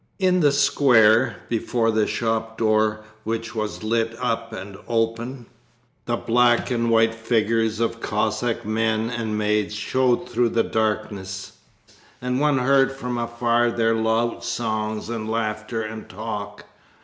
In the square, before the shop door which was lit up and open, the black and white figures of Cossack men and maids showed through the darkness, and one heard from afar their loud songs and laughter and talk.